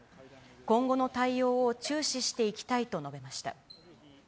今後の対応を注視していきたいと述べました。